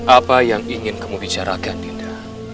apa yang ingin kamu bicarakan dinda